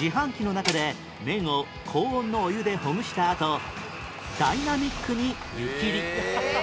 自販機の中で麺を高温のお湯でほぐしたあとダイナミックに湯切り！